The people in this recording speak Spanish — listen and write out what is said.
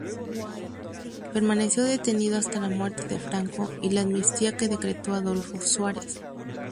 Permaneció detenido hasta la muerte de Franco y la amnistía que decretó Adolfo Suárez.